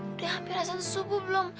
udah hampir rasa itu subuh belum